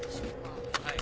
はい。